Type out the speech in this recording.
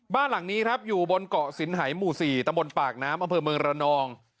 บ้านหลังนี้ครับอยู่บนเกาะสินหายหมู่๔ตำบลปากน้ำอำเภอเมืองระนอง